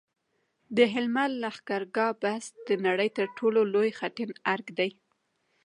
د هلمند لښکرګاه بست د نړۍ تر ټولو لوی خټین ارک دی